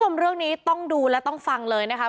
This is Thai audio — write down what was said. คุณผู้ชมเรื่องนี้ต้องดูและต้องฟังเลยนะครับ